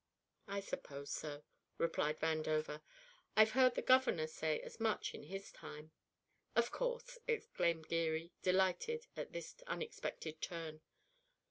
"I suppose so," replied Vandover. "I've heard the governor say as much in his time." "Of course," exclaimed Geary, delighted at this unexpected turn.